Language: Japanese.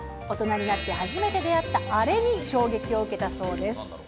大人になって初めて出会ったあれに衝撃を受けたそうです。